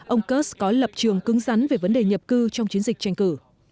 ông kurz có lập trường cứng rắn về vấn đề nhập cư trong chiến dịch tranh cử